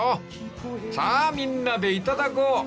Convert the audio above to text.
［さあみんなでいただこう］